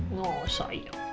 nggak usah ya